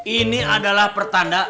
ini adalah pertanda